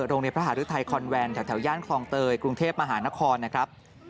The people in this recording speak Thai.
โรงเรียนพระหารุทัยคอนแวนแถวย่านคลองเตยกรุงเทพมหานครนะครับ